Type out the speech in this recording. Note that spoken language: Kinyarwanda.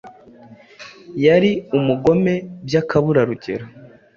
yari umugome by’akaburarugero,